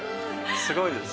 すごいです。